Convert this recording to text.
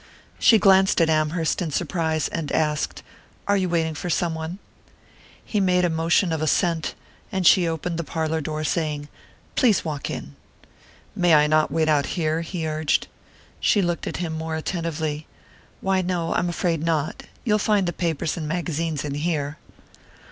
She glanced at Amherst in surprise, and asked: "Are you waiting for some one?" He made a motion of assent, and she opened the parlour door, saying: "Please walk in." "May I not wait out here?" he urged. She looked at him more attentively. "Why, no, I'm afraid not. You'll find the papers and magazines in here."